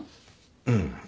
うん。